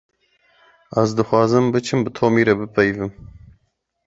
Ez dixwazim biçim bi Tomî re bipeyivim.